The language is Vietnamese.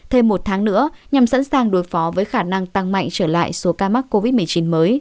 thêm một tháng nữa nhằm sẵn sàng đối phó với khả năng tăng mạnh trở lại số ca mắc covid một mươi chín mới